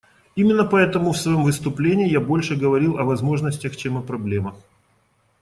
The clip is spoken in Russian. Именно поэтому в своем выступлении я больше говорил о возможностях, чем о проблемах.